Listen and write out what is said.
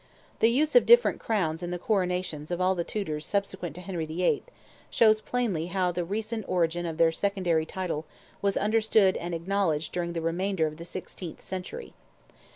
The use of different crowns in the coronations of all the Tudors subsequent to Henry VIII. shows plainly how the recent origin of their secondary title was understood and acknowledged during the remainder of the sixteenth century.